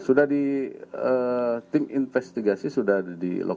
sudah di tim investigasi sudah di lokasi